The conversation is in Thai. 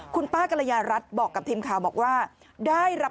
คุณป้ากัลยารัตริย์บอกกับทีมข่าวบอกว่า